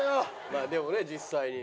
まあでもね実際に。